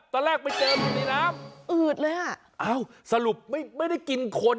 ตอนแรกไปเจออยู่ในน้ำอืดเลยอ่ะอ้าวสรุปไม่ไม่ได้กินคน